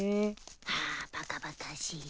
ハァバカバカしい。